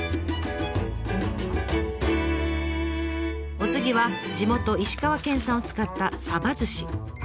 お次は地元石川県産を使った寿司。